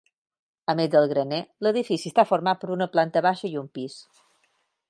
A més del graner, l'edifici està format per una planta baixa i un pis.